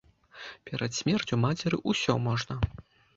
Перад смерцю мацеры ўсё можна.